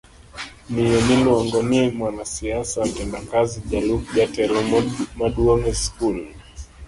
Miyo miluongo ni Mwanaisha Tendakazi jalup jatelo maduong' e skul